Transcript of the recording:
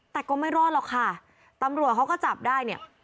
แต่ก็ไม่รอดหรอกค่ะตำรวจเขาก็จับได้เนี่ย